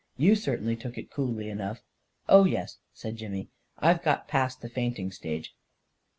You certainly took it coolly enough." " Oh, yes," said Jimmy; " I've got past the faint ing stage."